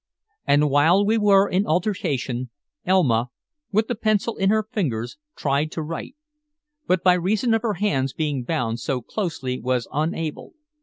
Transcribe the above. And while we were in altercation, Elma, with the pencil in her fingers, tried to write, but by reason of her hands being bound so closely was unable.